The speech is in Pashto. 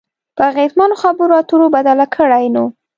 په اغیزمنو خبرو اترو بدله کړئ نو